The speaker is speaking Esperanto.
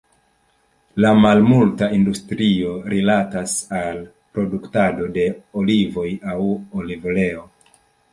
La malmulta industrio rilatas al produktado de olivoj aŭ olivoleo.